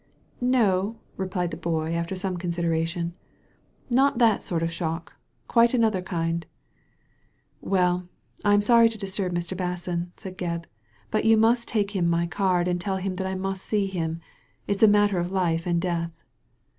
"No/* replied the boy, after some consideration, " not that sort of shock. Quite another kind" "Well, I'm sorry to disturb Mr. Basson," said Gebb, " but you must take him my card and tell him that I must see him. It's a matter of life and death.''